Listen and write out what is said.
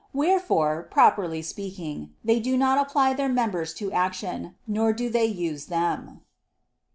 Wherefore, properly speaking, they do not apply their members to action, nor do they use them.